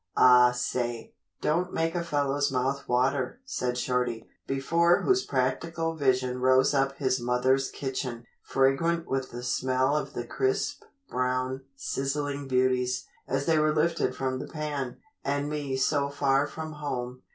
"Aw say, don't make a fellow's mouth water," said Shorty, before whose practical vision rose up his mother's kitchen, fragrant with the smell of the crisp, brown, sizzling beauties, as they were lifted from the pan, "and me so far from home."